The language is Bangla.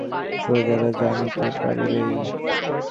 প্রজারা জানিতে পারিবেই।